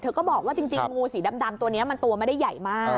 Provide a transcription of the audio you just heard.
ก็บอกว่าจริงงูสีดำตัวนี้มันตัวไม่ได้ใหญ่มาก